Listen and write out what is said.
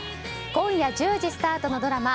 今夜１０時スタートのドラマ